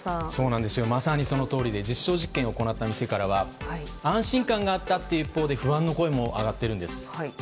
まさに、そのとおりで実証実験を行った店からは安心感があったという声の一方で不安の声も上がっているんです。